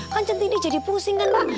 kan centini jadi pusing kan pak